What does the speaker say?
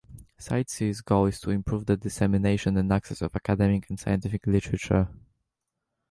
CiteSeer's goal is to improve the dissemination and access of academic and scientific literature.